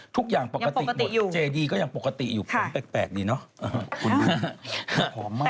ทุกอย่างปกติหมดเจดีย์ก็ยังปกติอยู่ผมแปลกดีเนอะคุณพร้อมมาก